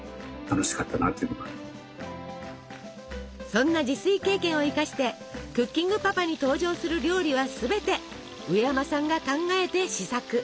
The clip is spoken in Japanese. そんな自炊経験を生かして「クッキングパパ」に登場する料理はすべてうえやまさんが考えて試作。